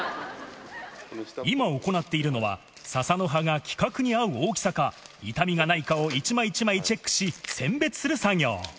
今、行っているのは、ささの葉が規格に合う大きさか、傷みがないかを一枚一枚チェック